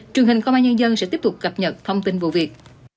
truyền hình công an nhân dân sẽ tiếp tục cập nhật thông tin vụ việc